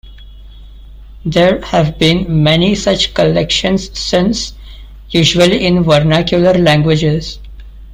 There have been many such collections since, usually in vernacular languages.